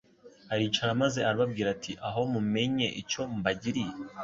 Aricara maze arababwira ati: «Aho mumenye icyo mbagiriye?»